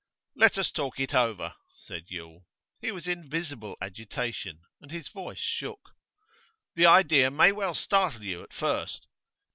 'Let us talk it over,' said Yule. He was in visible agitation and his voice shook. 'The idea may well startle you at first.